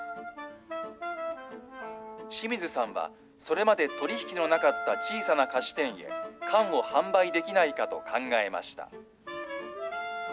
清水さんは、それまで取り引きのなかった小さな菓子店へ、缶を販売できないかと考えました。